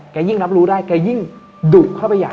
ยิ่งรับรู้ได้แกยิ่งดุเข้าไปใหญ่